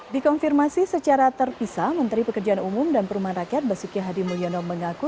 dikonfirmasi secara terpisah menteri pekerjaan umum dan perumahan rakyat basuki hadi mulyono mengaku